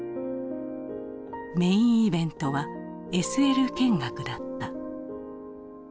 メインイベントはＳＬ見学だった。